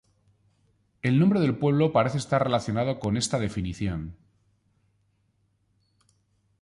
El nombre del pueblo parece estar relacionado con esta definición.